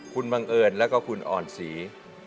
คุณบังเอิญและคุณอ่อนศี